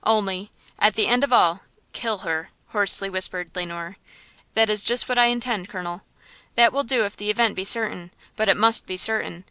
only at the end of all–kill her!" hoarsely whispered Le Noir. "That is just what I intend, colonel!" "That will do if the event be certain: but it must be certain!